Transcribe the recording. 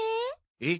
えっ？